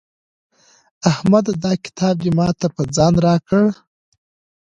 احمده دا کتاب دې ما ته په ځان راکړه.